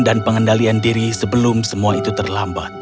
dan mengendalikan diri sebelum semua itu terlambat